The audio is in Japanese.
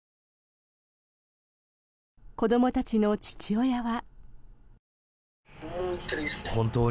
子どもたちの父親は。